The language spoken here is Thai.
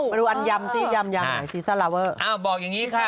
ไปดูอันยำซิซาลาเวอร์